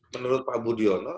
menurut pak budiono